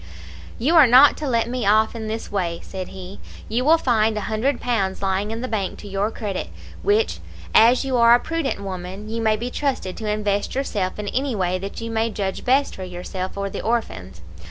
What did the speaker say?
"'You are not to let me off in this way,' said he. 'You will find a hundred pounds lying in the bank to your credit, which, as you are a prudent woman, you may be trusted to invest yourself in any way that you may judge best for yourself or the orphans.